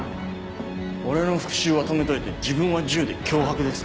俺の復讐は止めといて自分は銃で脅迫ですか？